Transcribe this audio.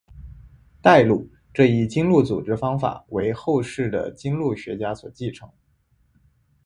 代录这一经录组织方法为后世的经录学家所继承。